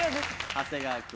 長谷川君。